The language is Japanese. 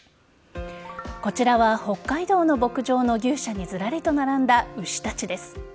こちらは北海道の牧場の牛舎にずらりと並んだ牛たちです。